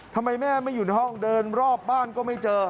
ทำไมแม่ไม่อยู่ในห้องเดินรอบบ้านก็ไม่เจอ